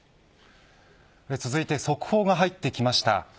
速報が入ってきました。